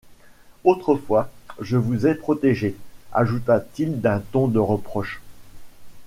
Autrefois je vous ai protégés, ajouta-t-il d’un ton de reproche.